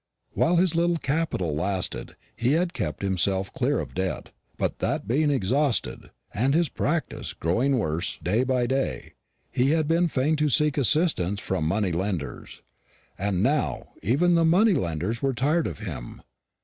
While his little capital lasted he had kept himself clear of debt, but that being exhausted, and his practice growing worse day by day, he had been fain to seek assistance from money lenders; and now even the money lenders were tired of him.